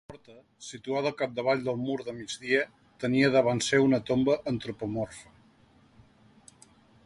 La porta, situada al capdavall del mur de migdia tenia davant seu una tomba antropomorfa.